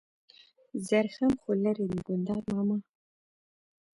زرخم خو لېرې دی ګلداد ماما.